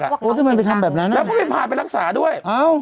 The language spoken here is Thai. แล้วเขาไปพาไปรักษาด้วย